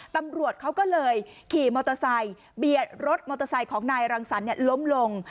ตำรวจเขาก็เลยขี่มอเตอร์ไซค์เบียดรถมอเตอร์ไซค์ของนายรังสรรคล้มลง